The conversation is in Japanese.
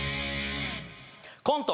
コント